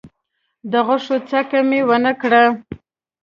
د غوښو څکه مي ونه کړه .